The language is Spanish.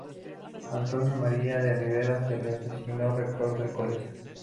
Antonio María de Rivera se le designó Rector del Colegio.